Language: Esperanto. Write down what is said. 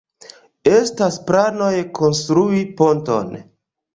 Estas planoj konstrui ponton.